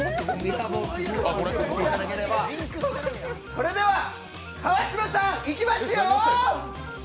それでは川島さんいきますよ！